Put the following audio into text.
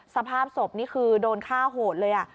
สภาพศพนี่คือโดนฆ่าโหดเลย